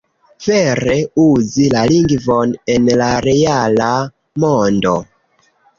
Vere uzi la lingvon en la reala mondo."